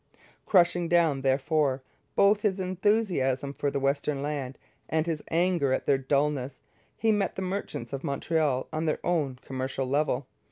Crushing down, therefore, both his enthusiasm for the western land and his anger at their dulness, he met the merchants of Montreal on their own commercial level.